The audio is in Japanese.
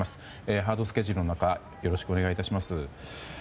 ハードスケジュールの中よろしくお願いいたします。